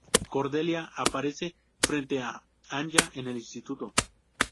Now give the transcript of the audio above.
Cordelia aparece frente a Anya en el instituto.